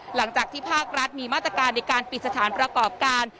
หลังจากที่ภาครัฐมีมาตรการในการปิดสถานประกอบการ